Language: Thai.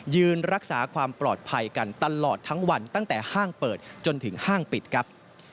ยืนรักษาความปลอดภัยกันตลอดทั้งวันตั้งแต่ห้างเปิดจนถึงห้างปิดครับ